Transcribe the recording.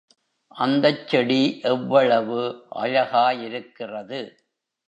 அந்தச் செடி எவ்வளவு அழகாயிருக்கிறது!